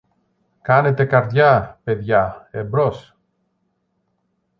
Κάνετε καρδιά, παιδιά, εμπρός!